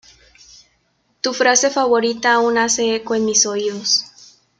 Tu frase favorita aún hace eco en mis oídos.